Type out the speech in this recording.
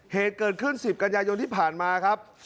เหตุเกิดขึ้น๑๐กันยายนที่ผ่านมาครับ